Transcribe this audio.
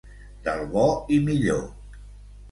Del bo i millor.